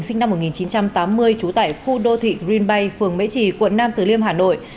sinh năm một nghìn chín trăm tám mươi trú tại khu đô thị green bay phường mễ trì quận nam từ liêm hà nội